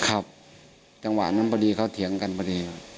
ครับจังหวะนั้นพอดีเขาเถียงกันพอดี